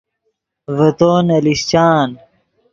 ڤے تو نے لیشچان